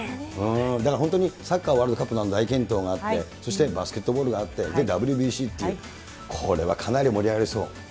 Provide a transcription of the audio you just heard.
だから本当にサッカーワールドカップの大健闘があって、そしてバスケットボールがあって、ＷＢＣっていう、これはかなり盛り上がりそう。